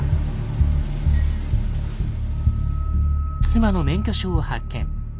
妻の免許証を発見。